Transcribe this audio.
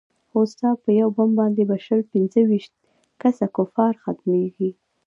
خو ستا په يو بم باندې به شل پينځه ويشت كسه كفار ختميږي.